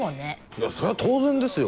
いやそれは当然ですよ。